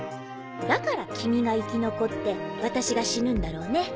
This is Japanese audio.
だから君が生き残って私が死ぬんだろうね。